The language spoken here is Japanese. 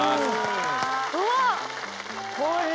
うわっ！